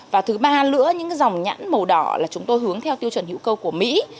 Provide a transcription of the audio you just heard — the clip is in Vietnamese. và thứ ba nữa những dòng nhãn màu đỏ là chúng tôi hướng theo tiêu chuẩn hữu cơ của mỹ